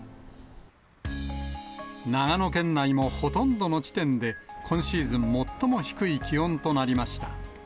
長野県内もほとんどの地点で、今シーズン最も低い気温となりました。